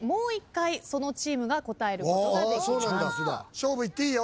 勝負いっていいよ